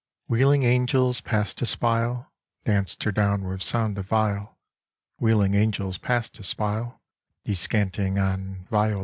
VIII Wheeling angels, past espial, Danced her down with sound of viol; Wheeling angels, past espial, Descanting on "Viola."